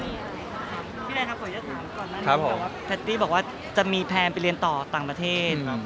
พี่แดนครับผมอยากถามก่อนมานี่่ว่าจะมีแพงไปเรียนต่อต่างประเทศ